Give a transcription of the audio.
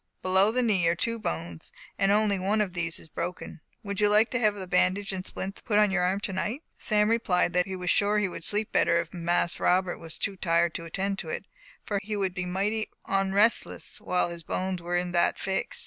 Below the knee are two bones, and only one of these is broken. Would you like to have the bandage and splints put on your arm tonight?" Sam replied that he was sure he should sleep better if Mas Robert was not too tired to attend to it, for he would be "mighty onrestless" while his bones were in that "fix."